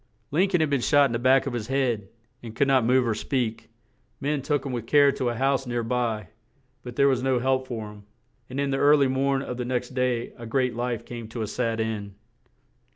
Lin coln had been shot in the back of his head, and could not move or speak; men took him with care to a house near by, but there was no help for him; and in the ear ly morn of the next day a great life came to a sad end.